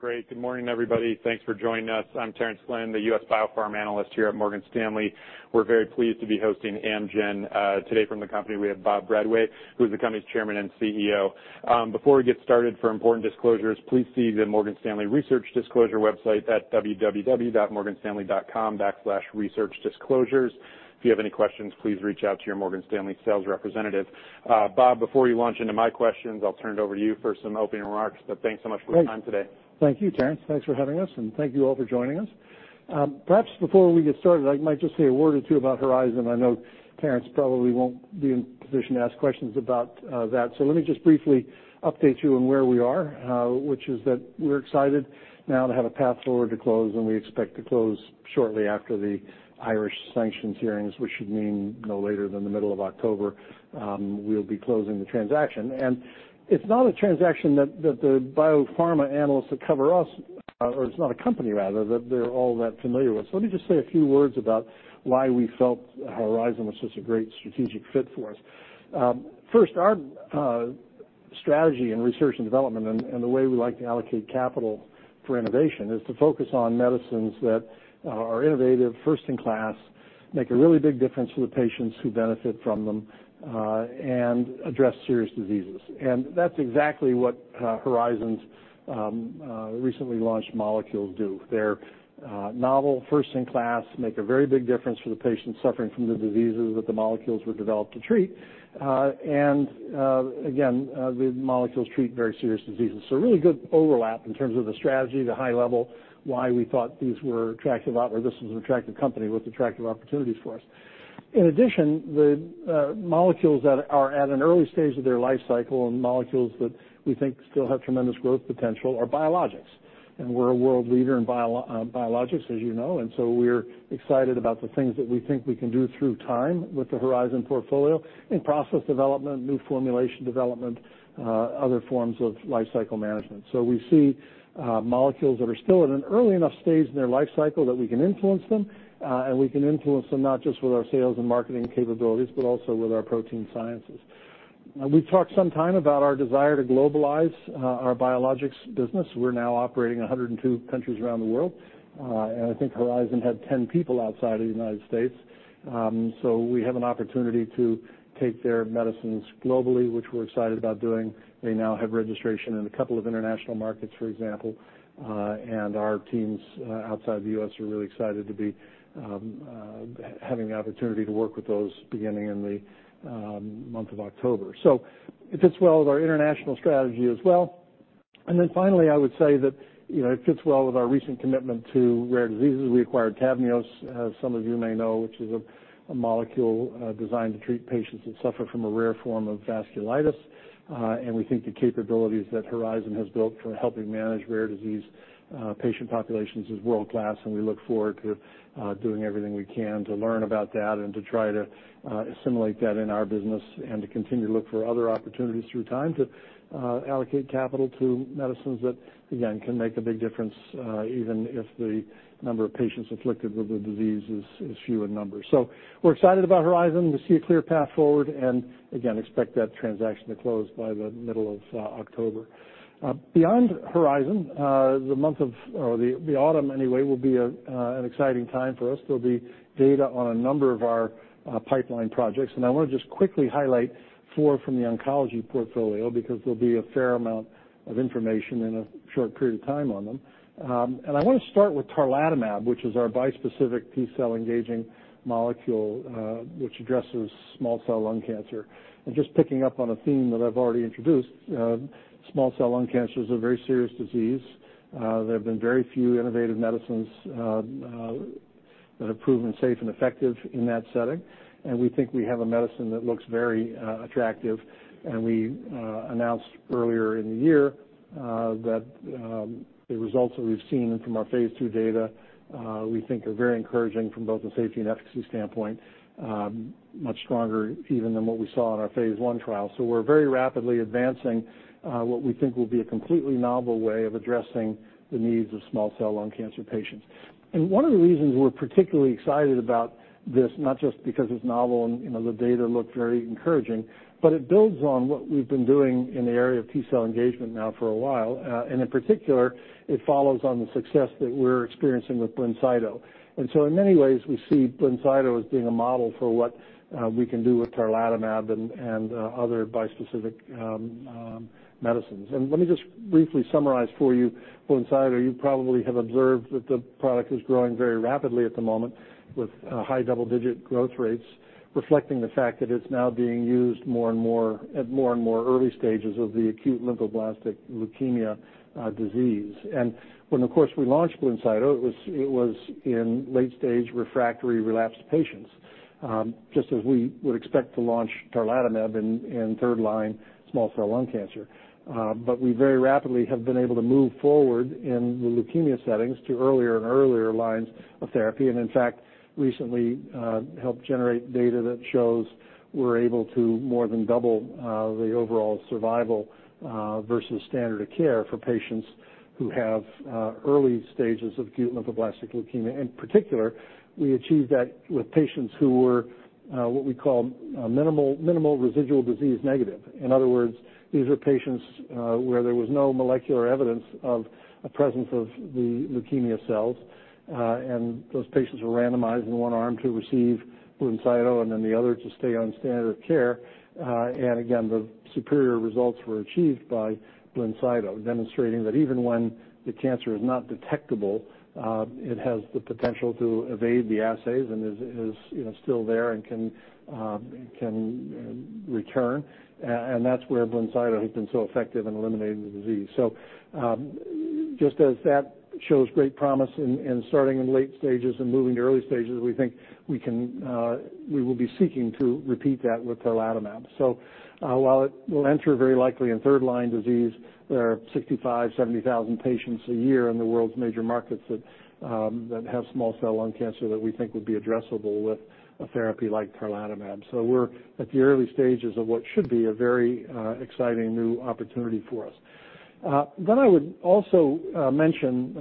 Great. Good morning, everybody. Thanks for joining us. I'm Terence Flynn, the US Biopharm analyst here at Morgan Stanley. We're very pleased to be hosting Amgen. Today from the company, we have Bob Bradway, who is the company's Chairman and CEO. Before we get started, for important disclosures, please see the Morgan Stanley Research Disclosure website at www.morganstanley.com/researchdisclosures. If you have any questions, please reach out to your Morgan Stanley sales representative. Bob, before you launch into my questions, I'll turn it over to you for some opening remarks, but thanks so much for your time today. Great. Thank you, Terence. Thanks for having us, and thank you all for joining us. Perhaps before we get started, I might just say a word or two about Horizon. I know Terence probably won't be in position to ask questions about that. So let me just briefly update you on where we are, which is that we're excited now to have a path forward to close, and we expect to close shortly after the Irish sanction hearings, which should mean no later than the middle of October, we'll be closing the transaction. And it's not a transaction that the biopharma analysts that cover us, or it's not a company, rather, that they're all that familiar with. So let me just say a few words about why we felt Horizon was such a great strategic fit for us. First, our strategy in research and development and the way we like to allocate capital for innovation is to focus on medicines that are innovative, first in class, make a really big difference to the patients who benefit from them, and address serious diseases. And that's exactly what Horizon's recently launched molecules do. They're novel, first in class, make a very big difference for the patients suffering from the diseases that the molecules were developed to treat. And again, the molecules treat very serious diseases. So a really good overlap in terms of the strategy, the high level, why we thought these were attractive opportunities or this was an attractive company with attractive opportunities for us. In addition, the molecules that are at an early stage of their life cycle and molecules that we think still have tremendous growth potential are biologics, and we're a world leader in biologics, as you know, and so we're excited about the things that we think we can do through time with the Horizon portfolio in process development, new formulation development, other forms of life cycle management. So we see molecules that are still at an early enough stage in their life cycle that we can influence them, and we can influence them not just with our sales and marketing capabilities, but also with our protein sciences. We've talked some time about our desire to globalize our biologics business. We're now operating in 102 countries around the world, and I think Horizon had 10 people outside of the United States. So we have an opportunity to take their medicines globally, which we're excited about doing. They now have registration in a couple of international markets, for example, and our teams outside the U.S. are really excited to be having the opportunity to work with those beginning in the month of October. So it fits well with our international strategy as well. And then finally, I would say that, you know, it fits well with our recent commitment to rare diseases. We acquired TAVNEOS, as some of you may know, which is a molecule designed to treat patients that suffer from a rare form of vasculitis. And we think the capabilities that Horizon has built for helping manage rare disease patient populations is world-class, and we look forward to doing everything we can to learn about that and to try to assimilate that in our business and to continue to look for other opportunities through time to allocate capital to medicines that, again, can make a big difference even if the number of patients afflicted with the disease is few in number. So we're excited about Horizon. We see a clear path forward and, again, expect that transaction to close by the middle of October. Beyond Horizon, or the autumn, anyway, will be an exciting time for us. There'll be data on a number of our pipeline projects, and I want to just quickly highlight four from the oncology portfolio, because there'll be a fair amount of information in a short period of time on them. I want to start with tarlatamab, which is our bispecific T-cell engaging molecule, which addresses small cell lung cancer. Just picking up on a theme that I've already introduced, small cell lung cancer is a very serious disease. There have been very few innovative medicines that have proven safe and effective in that setting, and we think we have a medicine that looks very attractive. We announced earlier in the year that the results that we've seen from our phase two data we think are very encouraging from both a safety and efficacy standpoint, much stronger even than what we saw in our phase one trial. So we're very rapidly advancing what we think will be a completely novel way of addressing the needs of small cell lung cancer patients. And one of the reasons we're particularly excited about this, not just because it's novel and, you know, the data looked very encouraging, but it builds on what we've been doing in the area of T-cell engagement now for a while. And in particular, it follows on the success that we're experiencing with BLINCYTO. And so in many ways, we see BLINCYTO as being a model for what we can do with tarlatamab and other bispecific medicines. Let me just briefly summarize for you BLINCYTO. You probably have observed that the product is growing very rapidly at the moment, with high double-digit growth rates, reflecting the fact that it's now being used more and more at more and more early stages of the acute lymphoblastic leukemia disease. When, of course, we launched BLINCYTO, it was in late-stage refractory relapsed patients, just as we would expect to launch tarlatamab in third line small cell lung cancer. But we very rapidly have been able to move forward in the leukemia settings to earlier and earlier lines of therapy. In fact, recently, helped generate data that shows we're able to more than double the overall survival versus standard of care for patients who have early stages of acute lymphoblastic leukemia. In particular, we achieved that with patients who were what we call minimal residual disease negative. In other words, these are patients where there was no molecular evidence of a presence of the leukemia cells, and those patients were randomized in one arm to receive BLINCYTO, and then the other to stay on standard of care. Again, the superior results were achieved by BLINCYTO, demonstrating that even when the cancer is not detectable, it has the potential to evade the assays and is, you know, still there and can return. That's where BLINCYTO has been so effective in eliminating the disease. So, just as that shows great promise in starting in late stages and moving to early stages, we think we can, we will be seeking to repeat that with tarlatamab. So, while it will enter very likely in third-line disease, there are 65,000-70,000 patients a year in the world's major markets that have small cell lung cancer that we think would be addressable with a therapy like tarlatamab. So we're at the early stages of what should be a very exciting new opportunity for us. Then I would also mention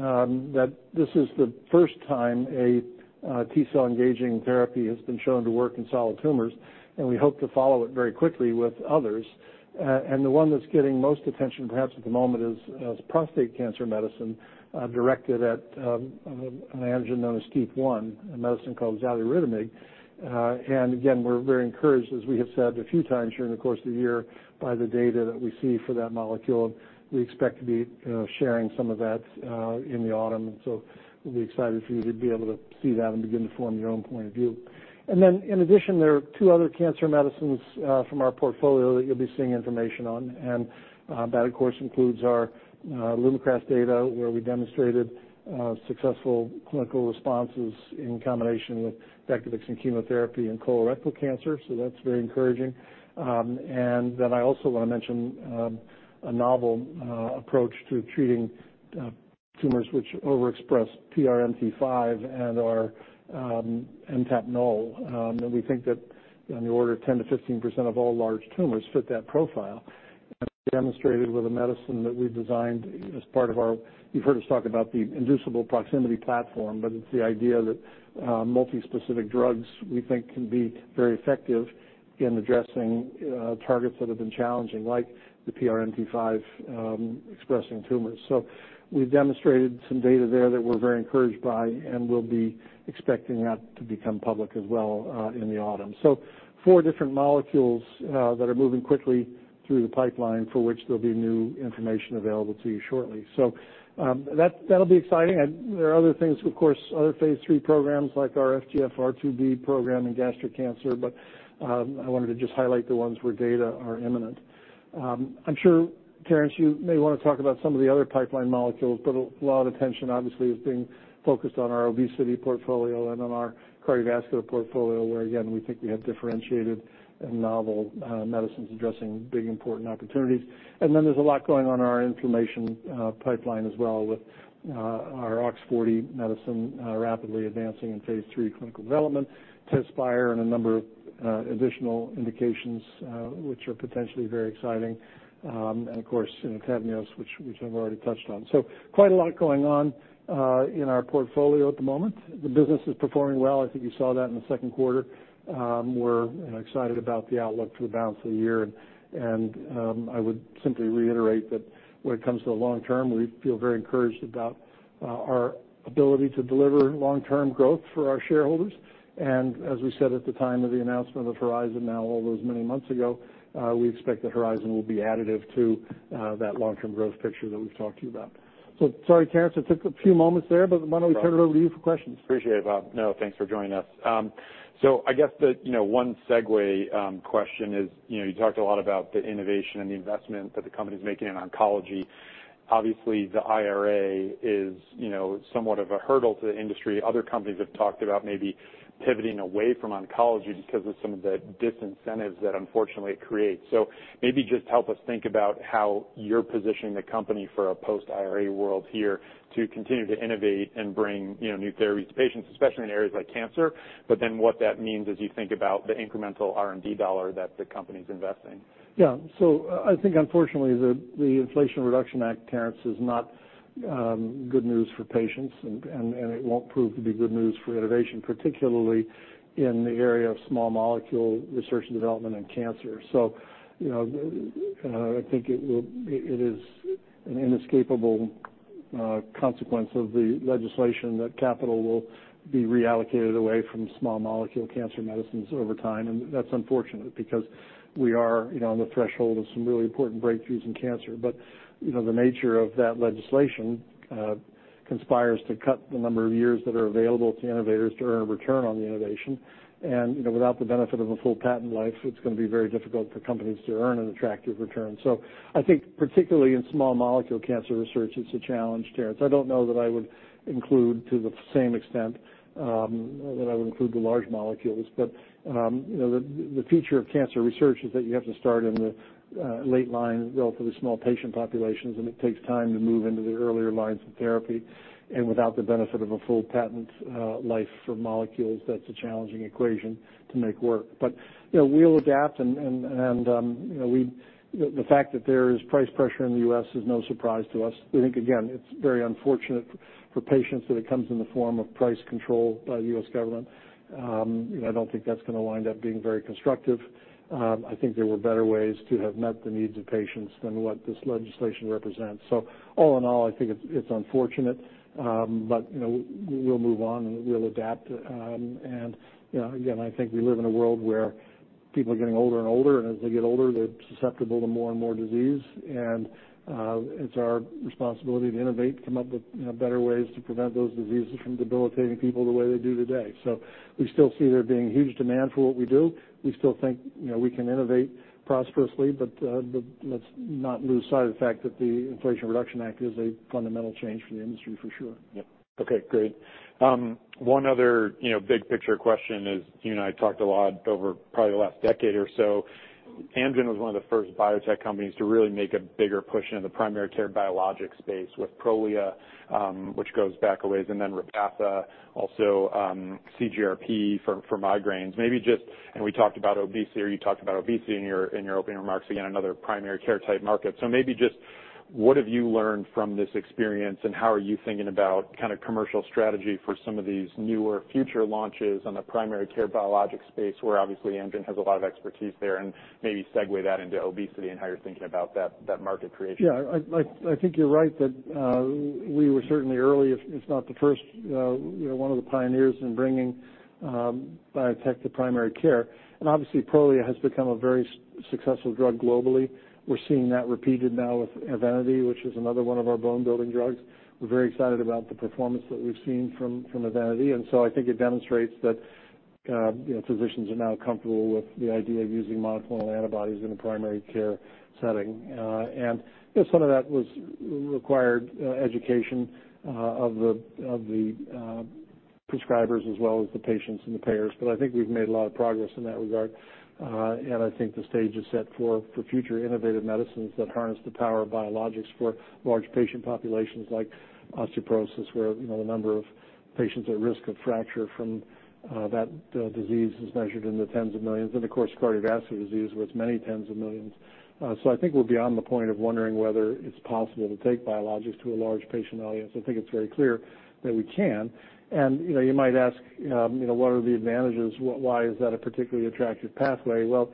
that this is the first time a T-cell engaging therapy has been shown to work in solid tumors, and we hope to follow it very quickly with others. And the one that's getting most attention, perhaps at the moment, is a prostate cancer medicine directed at an antigen known as STEAP-1, a medicine called xaluritamig. And again, we're very encouraged, as we have said a few times during the course of the year, by the data that we see for that molecule. We expect to be sharing some of that in the autumn, and so we'll be excited for you to be able to see that and begin to form your own point of view. Then in addition, there are two other cancer medicines from our portfolio that you'll be seeing information on. And that, of course, includes our Lumakras data, where we demonstrated successful clinical responses in combination with Vectibix chemotherapy and colorectal cancer, so that's very encouraging. And then I also want to mention a novel approach to treating tumors which overexpress PRMT5 and are MTAP null, that we think that on the order of 10%-15% of all large tumors fit that profile. And demonstrated with a medicine that we've designed as part of our... You've heard us talk about the inducible proximity platform, but it's the idea that multispecific drugs, we think, can be very effective in addressing targets that have been challenging, like the PRMT5 expressing tumors. So we've demonstrated some data there that we're very encouraged by, and we'll be expecting that to become public as well in the autumn. So 4 different molecules that are moving quickly through the pipeline for which there'll be new information available to you shortly. So that'll be exciting. There are other things, of course, other phase III programs like our FGFR2B program in gastric cancer, but I wanted to just highlight the ones where data are imminent. I'm sure, Terence, you may want to talk about some of the other pipeline molecules, but a lot of attention obviously is being focused on our obesity portfolio and on our cardiovascular portfolio, where again, we think we have differentiated and novel medicines addressing big, important opportunities. Then there's a lot going on in our inflammation pipeline as well, with our OX40 medicine rapidly advancing in phase III clinical development, TEZSPIRE, and a number of additional indications which are potentially very exciting. And of course, you know, KYPROLIS, which I've already touched on. So quite a lot going on in our portfolio at the moment. The business is performing well. I think you saw that in the second quarter. We're, you know, excited about the outlook for the balance of the year. And, I would simply reiterate that when it comes to the long term, we feel very encouraged about our ability to deliver long-term growth for our shareholders. And as we said at the time of the announcement of Horizon, now all those many months ago, we expect that Horizon will be additive to that long-term growth picture that we've talked to you about. So sorry, Terence, I took a few moments there, but why don't we turn it over to you for questions? Appreciate it, Bob. No, thanks for joining us. So I guess the, you know, one segue question is, you know, you talked a lot about the innovation and the investment that the company's making in oncology. Obviously, the IRA is, you know, somewhat of a hurdle to the industry. Other companies have talked about maybe pivoting away from oncology because of some of the disincentives that unfortunately it creates. So maybe just help us think about how you're positioning the company for a post-IRA world here to continue to innovate and bring, you know, new therapies to patients, especially in areas like cancer, but then what that means as you think about the incremental R&D dollar that the company's investing. Yeah. So I think unfortunately, the Inflation Reduction Act, Terence, is not good news for patients, and it won't prove to be good news for innovation, particularly in the area of small molecule research and development in cancer. So, you know, I think it is an inescapable consequence of the legislation that capital will be reallocated away from small molecule cancer medicines over time. And that's unfortunate because we are, you know, on the threshold of some really important breakthroughs in cancer. But, you know, the nature of that legislation conspires to cut the number of years that are available to innovators to earn a return on the innovation. And, you know, without the benefit of a full patent life, it's gonna be very difficult for companies to earn an attractive return. So I think particularly in small molecule cancer research, it's a challenge, Terence. I don't know that I would include, to the same extent, that I would include the large molecules. But you know, the future of cancer research is that you have to start in the late lines, relatively small patient populations, and it takes time to move into the earlier lines of therapy. And without the benefit of a full patent life for molecules, that's a challenging equation to make work. But you know, we'll adapt, and you know, the fact that there is price pressure in the U.S. is no surprise to us. We think, again, it's very unfortunate for patients that it comes in the form of price control by the U.S. government. You know, I don't think that's gonna wind up being very constructive. I think there were better ways to have met the needs of patients than what this legislation represents. So all in all, I think it's, it's unfortunate, but, you know, we'll move on, and we'll adapt. And, you know, again, I think we live in a world where people are getting older and older, and as they get older, they're susceptible to more and more disease. And, it's our responsibility to innovate, come up with, you know, better ways to prevent those diseases from debilitating people the way they do today. So we still see there being huge demand for what we do. We still think, you know, we can innovate prosperously, but, but let's not lose sight of the fact that the Inflation Reduction Act is a fundamental change for the industry, for sure. Yep. Okay, great. One other, you know, big picture question is, you and I talked a lot over probably the last decade or so. Amgen was one of the first biotech companies to really make a bigger push into the primary care biologic space with Prolia, which goes back a ways, and then Repatha, also, CGRP for migraines. Maybe just, and we talked about obesity, or you talked about obesity in your opening remarks. Again, another primary care-type market. So maybe just what have you learned from this experience, and how are you thinking about kind of commercial strategy for some of these newer future launches on the primary care biologic space, where obviously Amgen has a lot of expertise there, and maybe segue that into obesity and how you're thinking about that market creation? Yeah, I think you're right that we were certainly early, if not the first, you know, one of the pioneers in bringing biotech to primary care. And obviously, Prolia has become a very successful drug globally. We're seeing that repeated now with Evenity, which is another one of our bone building drugs. We're very excited about the performance that we've seen from Evenity, and so I think it demonstrates that you know, physicians are now comfortable with the idea of using monoclonal antibodies in a primary care setting. And you know, some of that was required education of the prescribers as well as the patients and the payers. But I think we've made a lot of progress in that regard, and I think the stage is set for, for future innovative medicines that harness the power of biologics for large patient populations like osteoporosis, where, you know, the number of patients at risk of fracture from, that, disease is measured in the tens of millions, and of course, cardiovascular disease, with many tens of millions. So I think we're beyond the point of wondering whether it's possible to take biologics to a large patient audience. I think it's very clear that we can. And, you know, you might ask, you know, what are the advantages? Why is that a particularly attractive pathway? Well,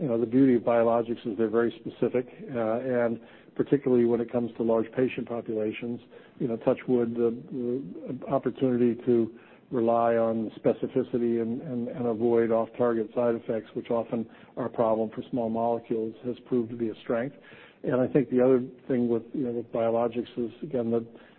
you know, the beauty of biologics is they're very specific, and particularly when it comes to large patient populations, you know, touch wood, the opportunity to rely on specificity and avoid off-target side effects, which often are a problem for small molecules, has proved to be a strength. And I think the other thing with, you know, biologics is, again,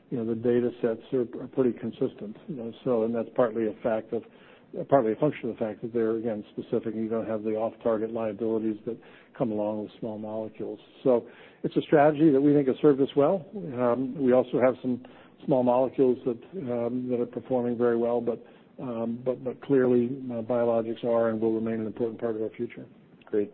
you know, the data sets are pretty consistent, you know, and that's partly a function of the fact that they're, again, specific. You don't have the off-target liabilities that come along with small molecules. So it's a strategy that we think has served us well. We also have some small molecules that are performing very well, but clearly, biologics are and will remain an important part of our future. Great.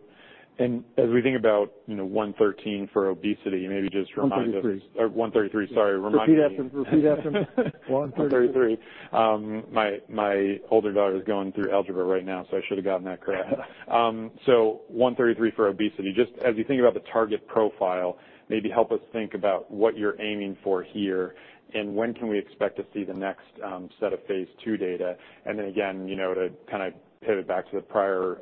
As we think about, you know, 113 for obesity, maybe just remind us- One thirty-three. Or 133, sorry. Remind me. Repeat after me. 133. 133. My older daughter is going through algebra right now, so I should have gotten that correct. So 133 for obesity. Just as you think about the target profile, maybe help us think about what you're aiming for here, and when can we expect to see the next set of phase 2 data? And then again, you know, to kind of pivot back to the prior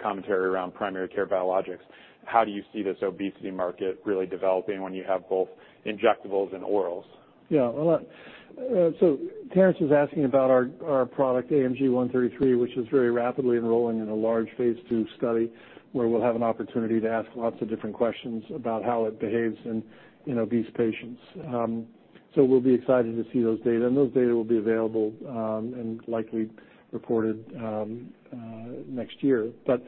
commentary around primary care biologics, how do you see this obesity market really developing when you have both injectables and orals? Yeah, well, so Terence was asking about our product, AMG 133, which is very rapidly enrolling in a large phase 2 study, where we'll have an opportunity to ask lots of different questions about how it behaves in obese patients. So we'll be excited to see those data, and those data will be available and likely reported next year. But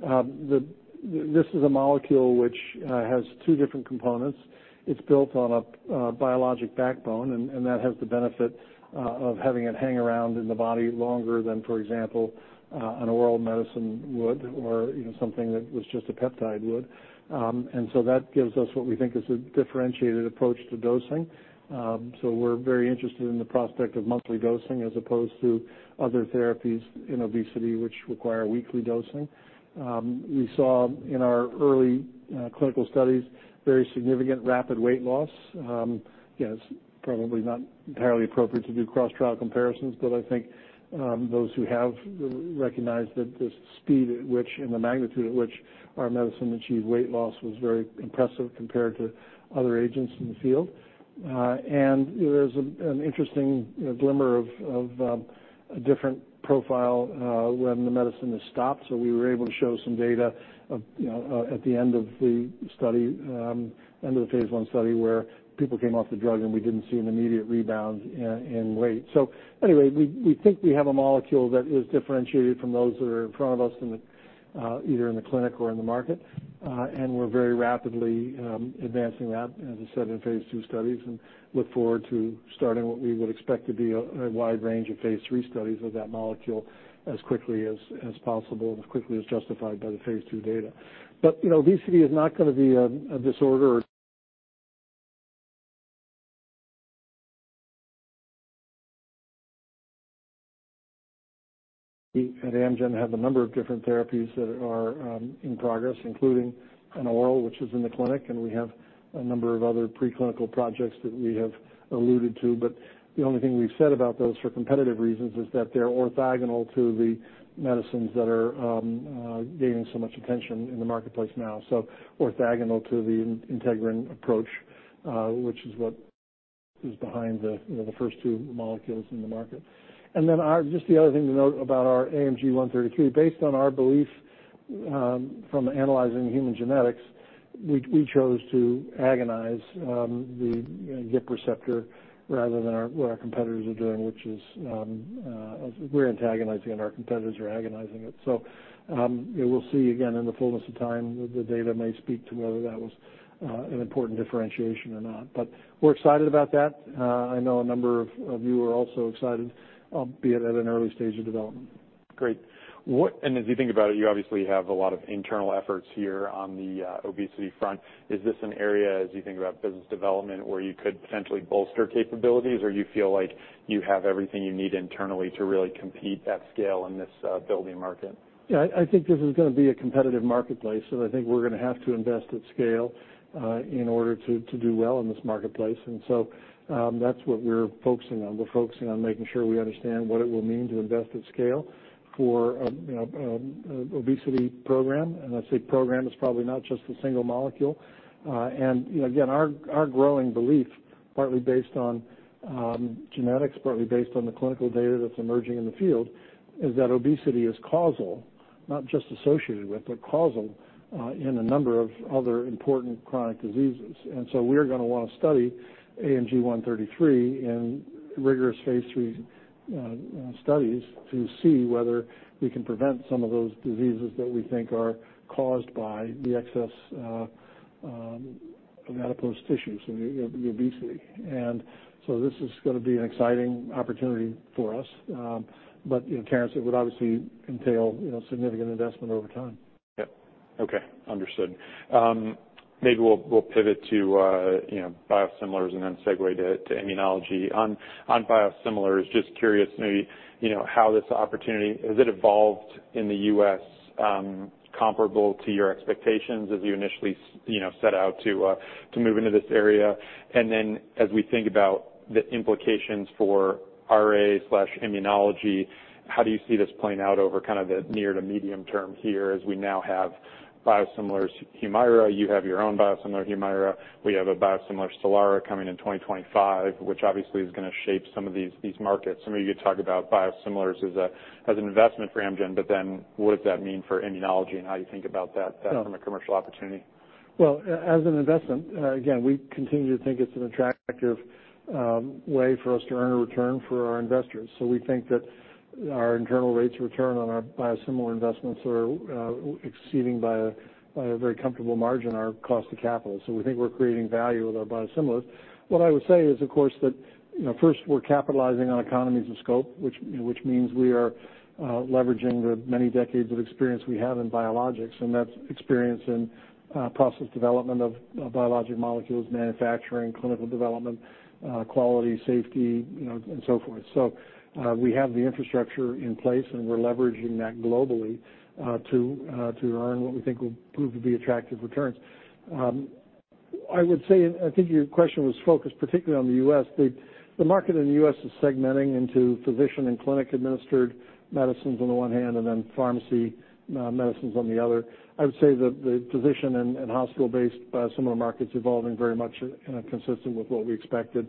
this is a molecule which has two different components. It's built on a biologic backbone, and that has the benefit of having it hang around in the body longer than, for example, an oral medicine would or, you know, something that was just a peptide would. And so that gives us what we think is a differentiated approach to dosing. So we're very interested in the prospect of monthly dosing, as opposed to other therapies in obesity, which require weekly dosing. We saw in our early clinical studies very significant rapid weight loss. Again, it's probably not entirely appropriate to do cross-trial comparisons, but I think those who have recognized that the speed at which, and the magnitude at which our medicine achieved weight loss was very impressive compared to other agents in the field. And there's an interesting, you know, glimmer of a different profile when the medicine is stopped. So we were able to show some data of, you know, at the end of the study, end of the phase 1 study, where people came off the drug, and we didn't see an immediate rebound in weight. So anyway, we think we have a molecule that is differentiated from those that are in front of us, in the either in the clinic or in the market. And we're very rapidly advancing that, as I said, in phase 2 studies, and look forward to starting what we would expect to be a wide range of phase 3 studies of that molecule as quickly as possible, and as quickly as justified by the phase 2 data. But you know, obesity is not gonna be a disorder at Amgen have a number of different therapies that are in progress, including an oral, which is in the clinic, and we have a number of other preclinical projects that we have alluded to. But the only thing we've said about those for competitive reasons is that they're orthogonal to the medicines that are gaining so much attention in the marketplace now. So orthogonal to the incretin approach, which is what is behind the, you know, the first two molecules in the market. And then just the other thing to note about our AMG 132, based on our belief from analyzing human genetics, we chose to agonize the GIP receptor rather than what our competitors are doing, which is we're antagonizing and our competitors are agonizing it. So we'll see again, in the fullness of time, the data may speak to whether that was an important differentiation or not. But we're excited about that. I know a number of you are also excited, be it at an early stage of development. Great. And as you think about it, you obviously have a lot of internal efforts here on the, obesity front. Is this an area, as you think about business development, where you could potentially bolster capabilities, or you feel like you have everything you need internally to really compete at scale in this, building market? Yeah, I think this is going to be a competitive marketplace, and I think we're going to have to invest at scale in order to do well in this marketplace. So, that's what we're focusing on. We're focusing on making sure we understand what it will mean to invest at scale for obesity program. And I say program, it's probably not just a single molecule. And you know, again, our growing belief, partly based on genetics, partly based on the clinical data that's emerging in the field, is that obesity is causal, not just associated with, but causal in a number of other important chronic diseases. And so we're going to want to study AMG 133 in rigorous phase III studies to see whether we can prevent some of those diseases that we think are caused by the excess of adipose tissue, so the obesity. And so this is going to be an exciting opportunity for us. But, you know, Terence, it would obviously entail, you know, significant investment over time. Yep. Okay, understood. Maybe we'll, we'll pivot to, you know, biosimilars and then segue to, to immunology. On, on biosimilars, just curious, maybe, you know, how this opportunity, has it evolved in the U.S., comparable to your expectations as you initially, you know, set out to, to move into this area? And then as we think about the implications for RA/immunology, how do you see this playing out over kind of the near to medium term here, as we now have biosimilars Humira, you have your own biosimilar Humira, we have a biosimilar Stelara coming in 2025, which obviously is going to shape some of these, these markets. I know you could talk about biosimilars as a, as an investment for Amgen, but then what does that mean for immunology and how you think about that, that from a commercial opportunity? Well, as an investment, again, we continue to think it's an attractive way for us to earn a return for our investors. So we think that our internal rates of return on our biosimilar investments are exceeding by a very comfortable margin, our cost of capital. So we think we're creating value with our biosimilars. What I would say is, of course, that, you know, first, we're capitalizing on economies of scope, which, you know, which means we are leveraging the many decades of experience we have in biologics, and that's experience in process development of biologic molecules, manufacturing, clinical development, quality, safety, you know, and so forth. So we have the infrastructure in place, and we're leveraging that globally to earn what we think will prove to be attractive returns. I would say, I think your question was focused particularly on the U.S. The market in the U.S. is segmenting into physician and clinic-administered medicines on the one hand, and then pharmacy medicines on the other. I would say that the physician and hospital-based similar market's evolving very much consistent with what we expected.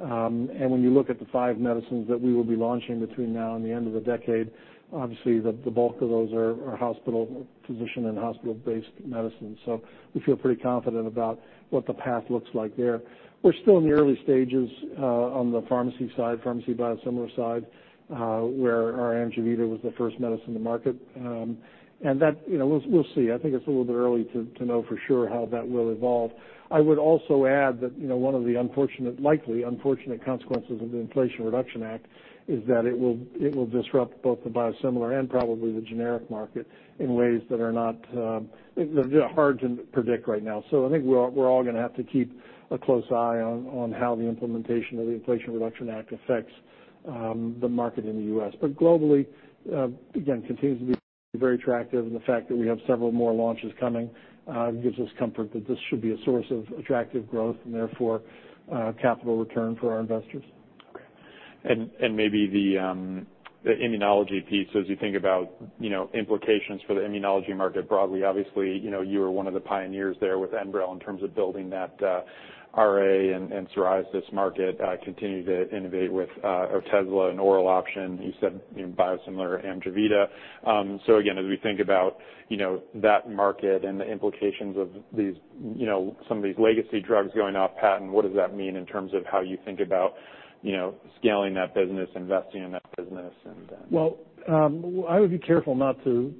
And when you look at the five medicines that we will be launching between now and the end of the decade, obviously, the bulk of those are hospital, physician and hospital-based medicines. So we feel pretty confident about what the path looks like there. We're still in the early stages on the pharmacy side, pharmacy biosimilar side, where our AMGEVITA was the first medicine in the market. And that, you know, we'll see. I think it's a little bit early to know for sure how that will evolve. I would also add that, you know, one of the unfortunate, likely unfortunate consequences of the Inflation Reduction Act is that it will disrupt both the biosimilar and probably the generic market in ways that are not, they're hard to predict right now. So I think we're all going to have to keep a close eye on how the implementation of the Inflation Reduction Act affects the market in the U.S. But globally, again, continues to be very attractive, and the fact that we have several more launches coming gives us comfort that this should be a source of attractive growth and therefore, capital return for our investors. Okay. Maybe the immunology piece, as you think about, you know, implications for the immunology market broadly. Obviously, you know, you were one of the pioneers there with Enbrel in terms of building that RA and psoriasis market, continue to innovate with Otezla, an oral option. You said, you know, biosimilar AMGEVITA. So again, as we think about, you know, that market and the implications of these, you know, some of these legacy drugs going off patent, what does that mean in terms of how you think about, you know, scaling that business, investing in that business, and then? Well, I would be careful not to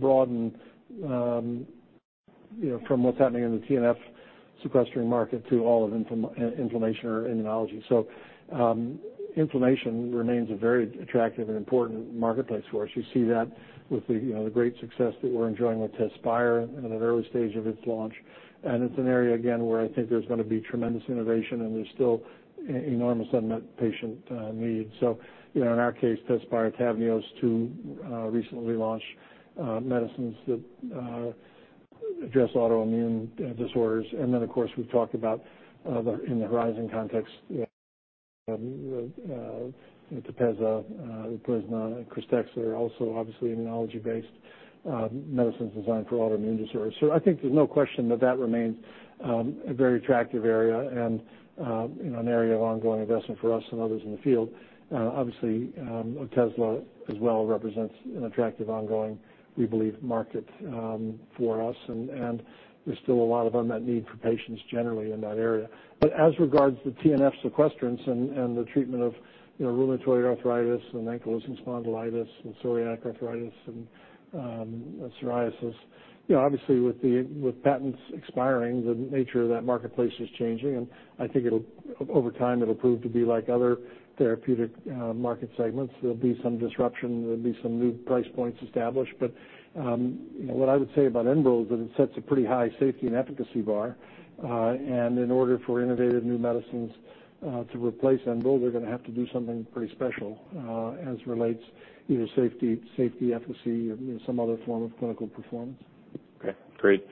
broaden, you know, from what's happening in the TNF sequestering market to all of inflammation or immunology. So, inflammation remains a very attractive and important marketplace for us. You see that with the, you know, the great success that we're enjoying with TEZSPIRE in an early stage of its launch. And it's an area, again, where I think there's gonna be tremendous innovation, and there's still enormous unmet patient needs. So, you know, in our case, TEZSPIRE, TAVNEOS, two recently launched medicines that address autoimmune disorders. And then, of course, we've talked about the, in the horizon context, you know, TEPEZZA, Repatha, and KRYSTEXXA are also obviously immunology-based medicines designed for autoimmune disorders. So I think there's no question that that remains a very attractive area and, you know, an area of ongoing investment for us and others in the field. Obviously, Otezla as well represents an attractive, ongoing, we believe, market for us, and there's still a lot of unmet need for patients generally in that area. But as regards to TNF sequestrants and the treatment of, you know, rheumatoid arthritis, and ankylosing spondylitis, and psoriatic arthritis, and psoriasis, you know, obviously, with patents expiring, the nature of that marketplace is changing, and I think it'll... Over time, it'll prove to be like other therapeutic market segments. There'll be some disruption, there'll be some new price points established. But, you know, what I would say about Enbrel is that it sets a pretty high safety and efficacy bar. In order for innovative new medicines to replace Enbrel, they're gonna have to do something pretty special as relates either safety, efficacy, or, you know, some other form of clinical performance. Okay, great.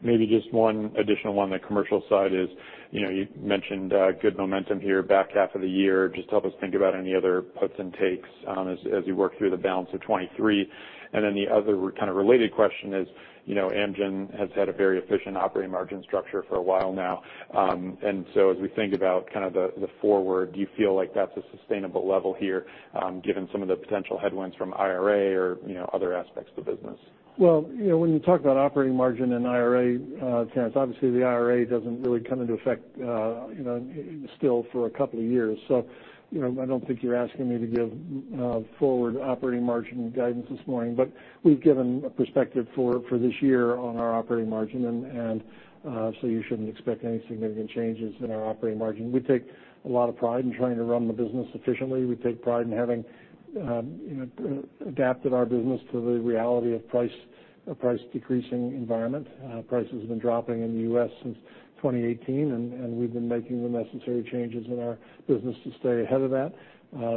Maybe just one additional one on the commercial side is, you know, you mentioned good momentum here back half of the year. Just help us think about any other puts and takes, as you work through the balance of 2023. And then the other kind of related question is, you know, Amgen has had a very efficient operating margin structure for a while now. And so as we think about kind of the forward, do you feel like that's a sustainable level here, given some of the potential headwinds from IRA or, you know, other aspects of the business? Well, you know, when you talk about operating margin and IRA, Terrence, obviously, the IRA doesn't really come into effect, you know, still for a couple of years. So, you know, I don't think you're asking me to give forward operating margin guidance this morning, but we've given a perspective for this year on our operating margin. So you shouldn't expect any significant changes in our operating margin. We take a lot of pride in trying to run the business efficiently. We take pride in having, you know, adapted our business to the reality of price, a price-decreasing environment. Price has been dropping in the U.S. since 2018, and we've been making the necessary changes in our business to stay ahead of that.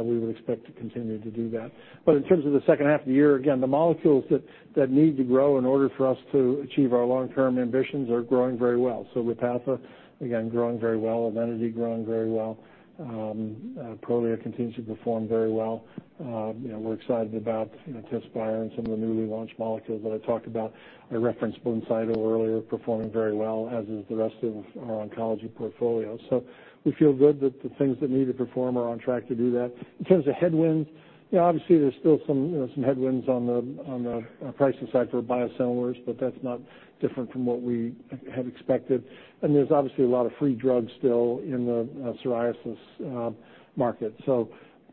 We would expect to continue to do that. But in terms of the second half of the year, again, the molecules that need to grow in order for us to achieve our long-term ambitions are growing very well. So Repatha, again, growing very well, Evenity growing very well. Prolia continues to perform very well. You know, we're excited about, you know, Tezspire and some of the newly launched molecules that I talked about. I referenced Blincyto earlier, performing very well, as is the rest of our oncology portfolio. So we feel good that the things that need to perform are on track to do that. In terms of headwinds, you know, obviously, there's still some, you know, some headwinds on the pricing side for biosimilars, but that's not different from what we had expected. And there's obviously a lot of free drugs still in the psoriasis market. So,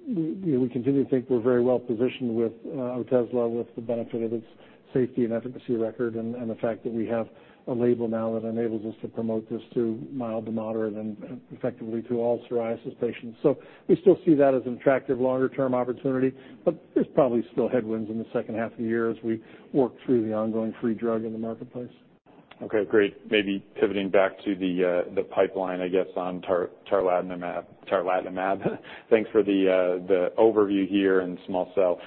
you know, we continue to think we're very well positioned with Otezla, with the benefit of its safety and efficacy record, and, and the fact that we have a label now that enables us to promote this to mild to moderate and, and effectively to all psoriasis patients. So we still see that as an attractive longer-term opportunity, but there's probably still headwinds in the second half of the year as we work through the ongoing free drug in the marketplace. Okay, great. Maybe pivoting back to the pipeline, I guess, on tarlatamab, tarlatamab. Thanks for the overview here in small cell.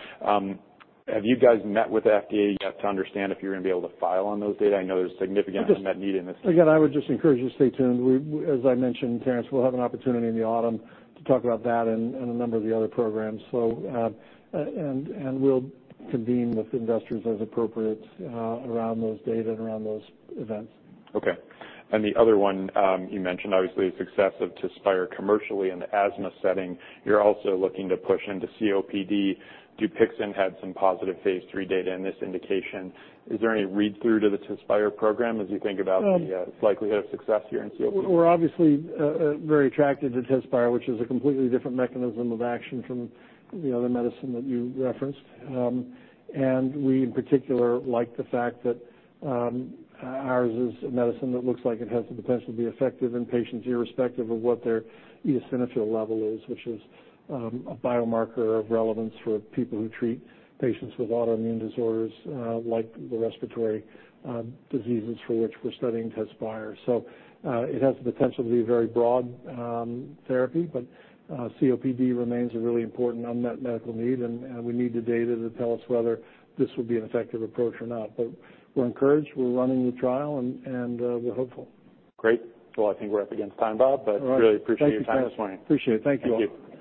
Have you guys met with the FDA yet to understand if you're gonna be able to file on those data? I know there's significant unmet need in this- Again, I would just encourage you to stay tuned. As I mentioned, Terence, we'll have an opportunity in the autumn to talk about that and a number of the other programs. So, we'll convene with investors as appropriate around those data and around those events. Okay. And the other one, you mentioned, obviously, the success of TEZSPIRE commercially in the asthma setting. You're also looking to push into COPD. Dupixent had some positive phase 3 data in this indication. Is there any read-through to the TEZSPIRE program as you think about the likelihood of success here in COPD? We're obviously very attracted to TEZSPIRE, which is a completely different mechanism of action from the other medicine that you referenced. And we, in particular, like the fact that ours is a medicine that looks like it has the potential to be effective in patients, irrespective of what their eosinophil level is, which is a biomarker of relevance for people who treat patients with autoimmune disorders like the respiratory diseases for which we're studying TEZSPIRE. So it has the potential to be a very broad therapy, but COPD remains a really important unmet medical need, and we need the data to tell us whether this will be an effective approach or not. But we're encouraged, we're running the trial, and we're hopeful. Great. Well, I think we're up against time, Bob- All right. But really appreciate your time this morning. Thank you, Terence. Appreciate it. Thank you all. Thank you.